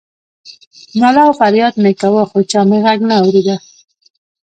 ناله او فریاد مې کاوه خو چا مې غږ نه اورېده.